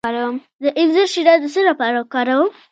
د انځر شیره د څه لپاره وکاروم؟